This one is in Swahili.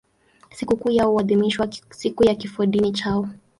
Sikukuu yao huadhimishwa siku ya kifodini chao.